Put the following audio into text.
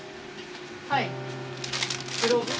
はい。